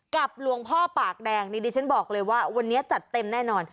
กับหลวงพ่อปากแดงนี่ดิฉันบอกเลยว่าวันนี้จัดเต็มแน่นอน